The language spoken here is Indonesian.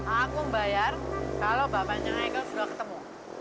aku membayar kalau bapaknya nggak ikut sudah ketemu